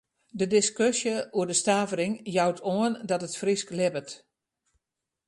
De diskusje oer de stavering jout oan dat it Frysk libbet.